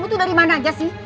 jangan beri mana aja sih